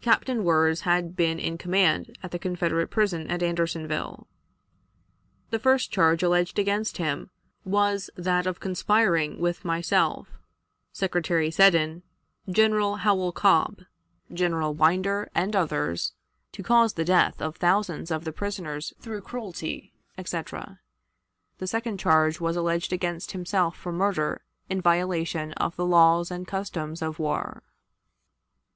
Captain Wirz had been in command at the Confederate prison at Andersonville. The first charge alleged against him was that of conspiring with myself, Secretary Seddon, General Howell Cobb, General Winder, and others, to cause the death of thousands of the prisoners through cruelty, etc. The second charge was alleged against himself for murder in violation of the laws and customs of war.